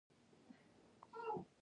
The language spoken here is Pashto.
هغه پاتې نیم مزد په خپل جېب کې ږدي